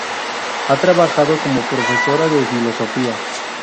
Ha trabajado como profesora de filosofía.